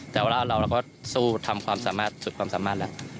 แต่ว่าเราก็สู้ทำความสามารถสุดความสามารถแล้ว